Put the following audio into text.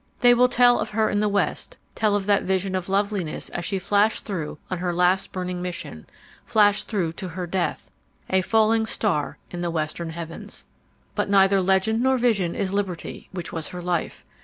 "They will tell of her in the West, tell of the vision of loveliness as she flashed through on her last burning mission, flashed through to her death—a falling star in the western heavens. "But neither legend nor vision is liberty, which was her life.